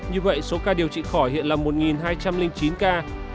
như vậy số ca điều trị khỏi hiện là một hai trăm linh chín ca